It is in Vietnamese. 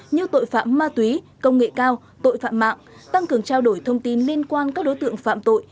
như tội phạm ma túy công nghệ cao tội phạm mạng tăng cường trao đổi thông tin liên quan các đối tượng phạm tội